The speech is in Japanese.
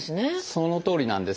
そのとおりなんですね。